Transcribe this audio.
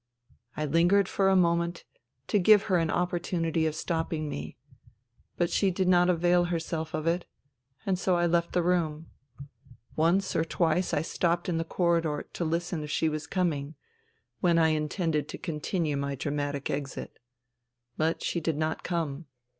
I lingered for a moment, to give her an opportunity of stopping me. But she did not avail herself of it ; and so I left the room. Once or twice I stopped in the corridor to listen if she was coming, when I intended to continue my dramatic exit. But she did not come.